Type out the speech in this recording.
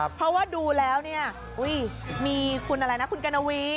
เพราะว่าดูแล้วเนี่ยมีคุณอะไรนะคุณกัณวี